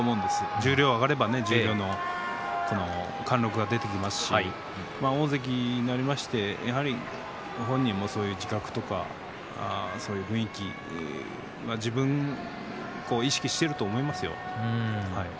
十両に上がれば十両の貫禄が出てきますし大関になりますと、やはり本人もそういう自覚とか雰囲気自分で意識していると思いますよ。